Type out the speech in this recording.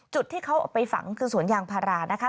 จุดที่เขาเอาไปฝังคือสวนยางพารานะคะ